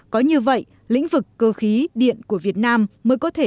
có như vậy lĩnh vực cơ khí điện của việt nam mới có thể phát triển